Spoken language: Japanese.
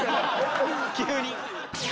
急に。